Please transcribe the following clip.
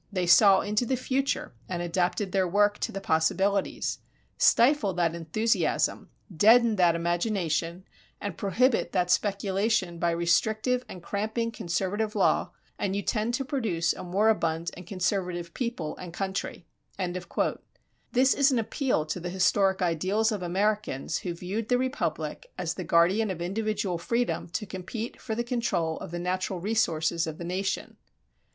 They saw into the future and adapted their work to the possibilities. ... Stifle that enthusiasm, deaden that imagination and prohibit that speculation by restrictive and cramping conservative law, and you tend to produce a moribund and conservative people and country." This is an appeal to the historic ideals of Americans who viewed the republic as the guardian of individual freedom to compete for the control of the natural resources of the nation.